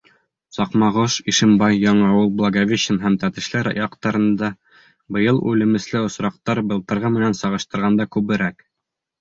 Саҡмағош, Ишембай, Яңауыл, Благовещен һәм Тәтешле яҡтарында быйыл үлемесле осраҡтар былтырғы менән сағыштырғанда күберәк.